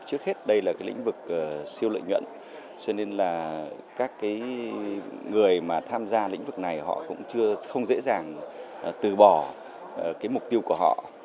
trước hết đây là lĩnh vực siêu lợi nhuận cho nên là các người tham gia lĩnh vực này họ cũng không dễ dàng từ bỏ mục tiêu của họ